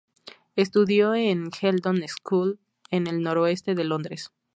Estudió en el Hendon School, en el noroeste de Londres.